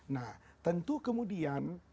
nah tentu kemudian